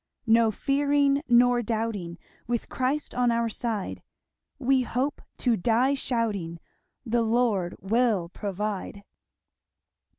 No fearing nor doubting, With Christ on our side, We hope to die shouting, 'The Lord will provide.'"